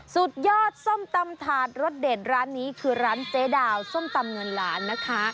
สุดยอดส้มตำถาดรสเด่นร้านนี้คือร้านเจ๊ดาวส้มตำเงินล้านนะคะ